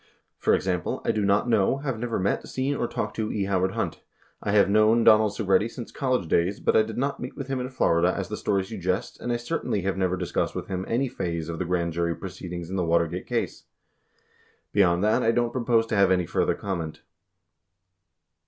For example, I do not know, have never met, seen, or talked to E. Howard Hunt. I have known Donald Segretti since college days but I did not meet with him in Florida as the story suggests and I certainly have never discussed with him any phase of the grand jury proceedings in the Watergate case. Beyond that I don't propose to have any further comment.